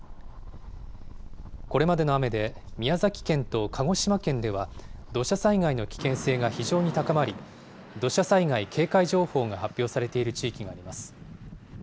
これまでの雨で宮崎県と鹿児島県では、土砂災害の危険性が非常に高まり、土砂災害警戒情報が発表されている地域があります。